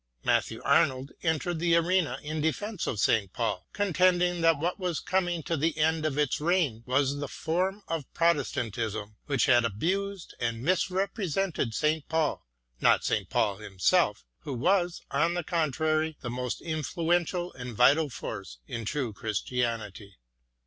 Matthew Arnold entered the arena in defence of St. Paul, contending that what was coming to the end of its reign was the form of Protestantism which had abused and misrepresented St. Paul, not St. Paul himself, who was, on the contrary, the most influential and vital force in true Christianity.